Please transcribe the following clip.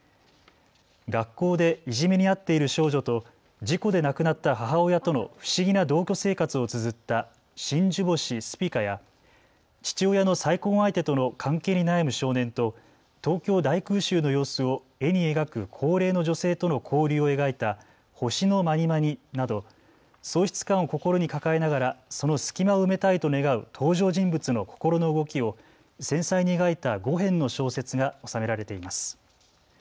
学校でいじめにあっている少女と事故で亡くなった母親との不思議な同居生活をつづった真珠星スピカや父親の再婚相手との関係に悩む少年と東京大空襲の様子を絵に描く高齢の女性との交流を描いた星の随になど喪失感を心に抱えながらその隙間を埋めたいと願う登場人物の心の動きを繊細に描いた５編の小説が収められています。